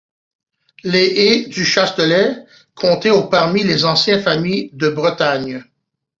Les Hay du Chastelet comptaient au parmi les anciennes familles de Bretagne.